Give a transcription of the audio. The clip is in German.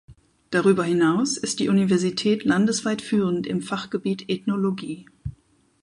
Darüber hinaus ist die Universität landesweit führend im Fachgebiet Ethnologie.